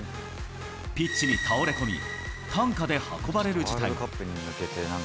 ピッチに倒れ込み、担架で運ばれる事態も。